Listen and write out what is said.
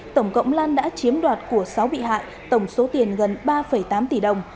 tổng cộng lan đã chiếm đoạt của sáu bị hại tổng số tiền gần ba tám tỷ đồng